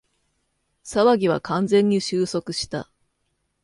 騒ぎは完全に収束した